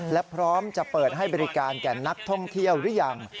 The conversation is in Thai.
และพร้อมจะเปิดให้บริการแก่นักท่องเที่ยวหรือยัง